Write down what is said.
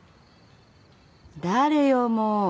誰よもう！